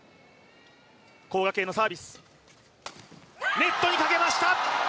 ネットにかけました。